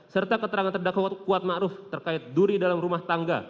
serta keterangan terdakwa kuatmaruf terkait duri dalam rumah tangga